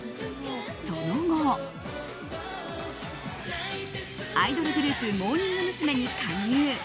その後、アイドルグループモーニング娘。に加入。